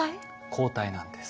抗体なんです。